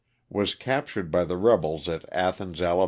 Was captured by the rebels at Athens, Ala.